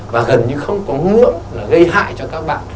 và gần như không có muộn là gây hại cho các bạn